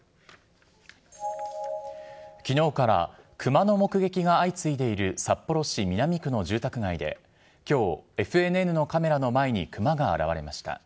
きのうから熊の目撃が相次いでいる札幌市南区の住宅街で、きょう、ＦＮＮのカメラの前に熊が現れました。